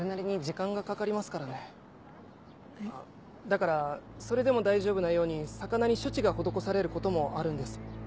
だからそれでも大丈夫なように魚に処置が施されることもあるんです。